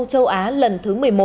châu á lần thứ một mươi một